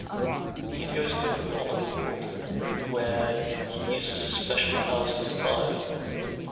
Ian goes to the criminal underworld where he uses his special powers to survive.